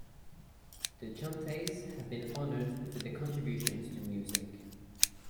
The Chantays have been honored for their contributions to music.